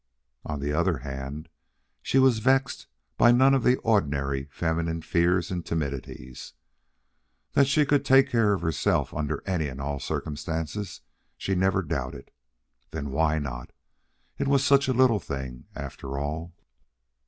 On the other hand, she was vexed by none of the ordinary feminine fears and timidities. That she could take care of herself under any and all circumstances she never doubted. Then why not? It was such a little thing, after all.